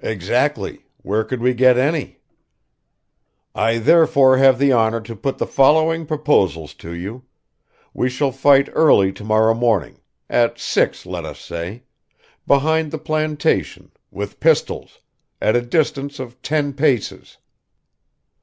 "Exactly, where could we get any?" "I therefore have the honor to put the following proposals to you; we shall fight early tomorrow morning, at six, let us say, behind the plantation, with pistols, at a distance of ten paces